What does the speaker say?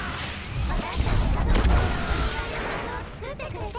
私たち家族が一緒にいられる場所をつくってくれて。